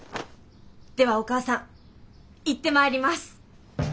ではお母さん行ってまいります。